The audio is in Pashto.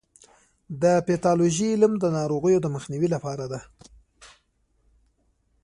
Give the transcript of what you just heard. د پیتالوژي علم د ناروغیو د مخنیوي لاره ده.